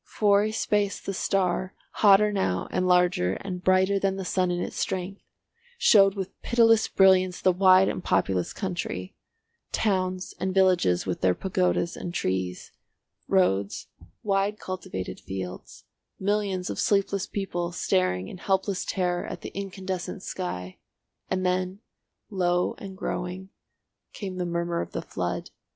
For a space the star, hotter now and larger and brighter than the sun in its strength, showed with pitiless brilliance the wide and populous country; towns and villages with their pagodas and trees, roads, wide cultivated fields, millions of sleepless people staring in helpless terror at the incandescent sky; and then, low and growing, came the murmur of the flood.